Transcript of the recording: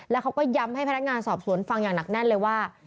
แล้วเขาก็ย้ำให้พนักงานสอบสวนฟังอย่างหนักแน่นเลยว่า